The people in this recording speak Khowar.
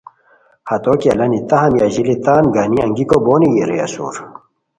ہتو کی الانی تہ ہمی اژیلی تان گانی انگیکو بونی را اسور